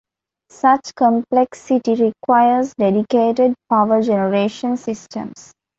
Such complexity requires dedicated power-generation systems.